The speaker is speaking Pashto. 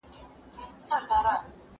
تاسو د ټولني د اصلاح غوښته.